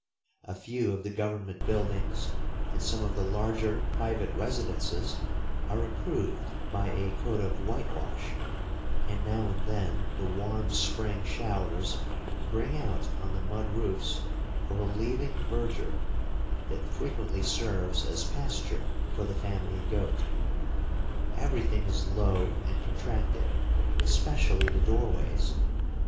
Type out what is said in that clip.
A few of the government buildings and some of the larger private residences are improved by a coat of whitewash, and now and then the warm spring showers bring out on the mud roofs a relieving verdure, that frequently serves as pasture for the family goat. Everything is low and contracted, especially the doorways.